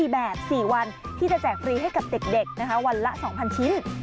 แบบ๔วันที่จะแจกฟรีให้กับเด็กวันละ๒๐๐ชิ้น